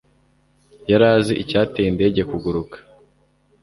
yari azi icyateye indege kuguruka